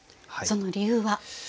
その理由は？